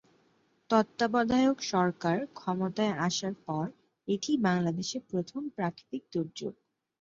তত্ত্বাবধায়ক সরকার ক্ষমতায় আসার পর এটিই বাংলাদেশের প্রথম প্রাকৃতিক দুর্যোগ।